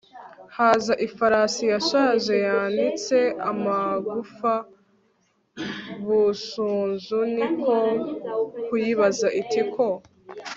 haza ifarasi yashaje yanitse amagufa. busunzu ni ko kuyibaza iti ko